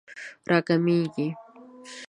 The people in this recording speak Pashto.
راکمېږي